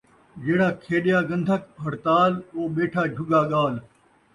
جیڑھا کھیݙیا ڳن٘دھک ، ہڑتال، او ٻیٹھا جھُڳا ڳال